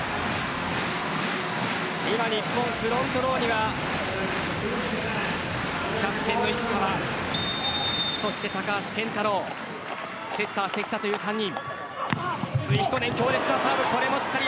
今、日本フロントローにはキャプテンの石川そして高橋健太郎セッター・関田という３人。